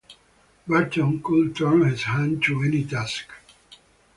Barton could turn his hand to any task.